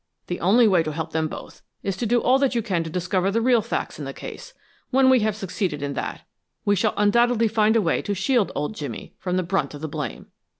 The only way to help them both is to do all that you can to discover the real facts in the case. When we have succeeded in that, we shall undoubtedly find a way to shield old Jimmy from the brunt of the blame.